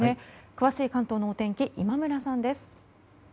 詳しい関東のお天気今村さんです。